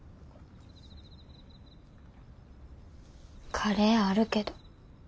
カレーあるけど。